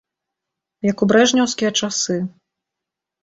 Як у брэжнеўскія часы.